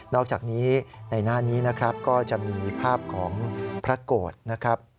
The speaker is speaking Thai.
อกจากนี้ในหน้านี้นะครับก็จะมีภาพของพระโกรธนะครับ